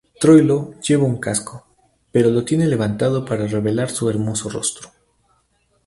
Troilo lleva un casco, pero lo tiene levantado para revelar su hermoso rostro.